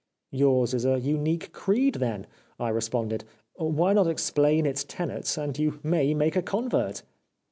"' Yours is a unique creed, then,' I responded, * why not explain its tenets and you may make a convert